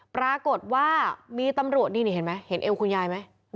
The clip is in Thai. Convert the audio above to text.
ปรากฏว่ามีตำรวจนี่เห็นไหมเห็นเอวคุณยายไหม